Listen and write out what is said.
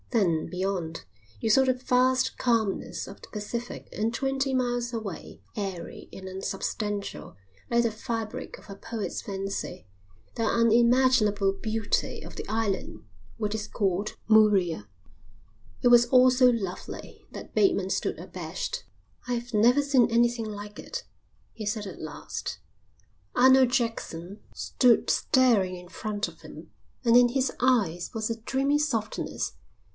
Then, beyond, you saw the vast calmness of the Pacific and twenty miles away, airy and unsubstantial like the fabric of a poet's fancy, the unimaginable beauty of the island which is called Murea. It was all so lovely that Bateman stood abashed. "I've never seen anything like it," he said at last. Arnold Jackson stood staring in front of him, and in his eyes was a dreamy softness.